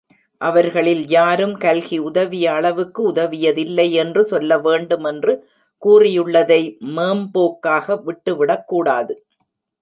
அவர்களில் யாரும் கல்கி உதவிய அளவுக்கு உதவியதில்லை என்று சொல்லவேண்டும் என்று கூறியுள்ளதை மேம்போக்காக விட்டு விடக்கூடாது.